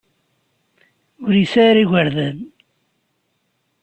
Ur yesɛi ara igerdan.